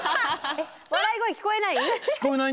笑い声聞こえない？